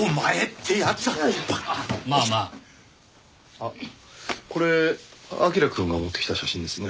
あっこれ彬くんが持ってきた写真ですね。